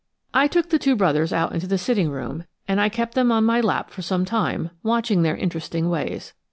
I took the two brothers out into the sitting room and kept them on my lap for some time, watching their interesting ways.